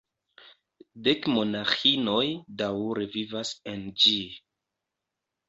Dek monaĥinoj daŭre vivas en ĝi.